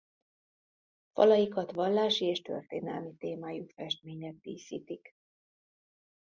Falaikat vallási és történelmi témájú festmények díszítik.